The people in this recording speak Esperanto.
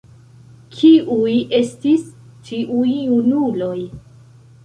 Kiuj estis tiuj junuloj?